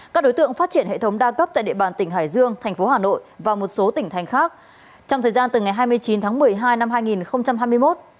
các đối tượng phát triển hệ thống đa cấp tại địa bàn tỉnh hải dương thành phố hà nội và một số tỉnh thành khác trong thời gian từ ngày hai mươi chín tháng một mươi hai năm hai nghìn hai mươi một